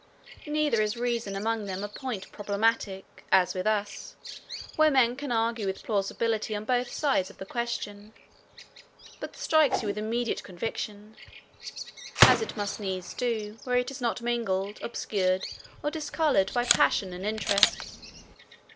Neither is reason among them a point problematical, as with us, where men can argue with plausibility on both sides of the question, but strikes you with immediate conviction; as it must needs do, where it is not mingled, obscured, or discoloured, by passion and interest.